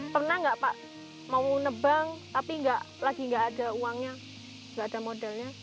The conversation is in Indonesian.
pernah nggak pak mau nebang tapi lagi nggak ada uangnya nggak ada modalnya